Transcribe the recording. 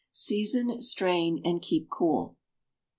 Season, strain, and keep cool.